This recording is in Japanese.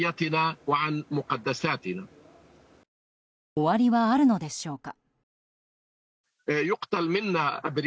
終わりはあるのでしょうか。